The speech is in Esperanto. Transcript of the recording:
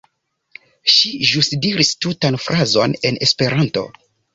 Ŝi ĵus diris tutan frazon en Esperanto!